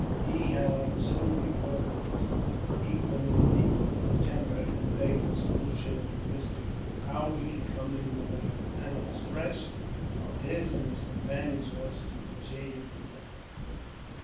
He, however, soon recovered his equanimity of temper, and begged a solution of the mystery how we could come in with our animals fresh, while his and his companions' horses were jaded to death.